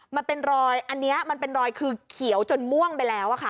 มันเป็นรอยอันนี้มันเป็นรอยคือเขียวจนม่วงไปแล้วค่ะ